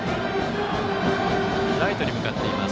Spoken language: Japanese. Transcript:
ライトに向かっています。